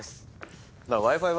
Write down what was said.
Ｗｉ−Ｆｉは？